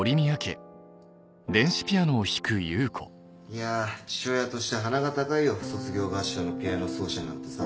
いやぁ父親として鼻が高いよ卒業合唱のピアノ奏者なんてさ。